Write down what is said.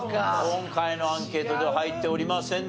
今回のアンケートでは入っておりませんでした。